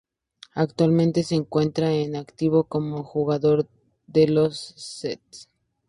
Actualmente se encuentra en activo como jugador de los St.